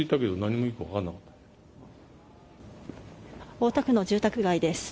大田区の住宅街です。